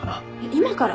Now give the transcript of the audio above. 今から？